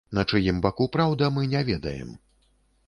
На чыім баку праўда, мы не ведаем.